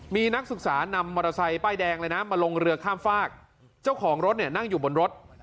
มีนักศึกษานำมอเตอร์ไซค์ป้ายแดงเลยนะมาลงเรือข้ามฝากเจ้าของรถเนี่ยนั่งอยู่บนรถ